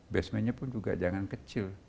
basementnya pun juga jangan kecil